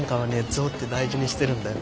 ゾウって大事にしてるんだよ。